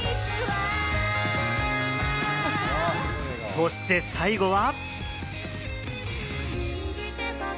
そして最後は。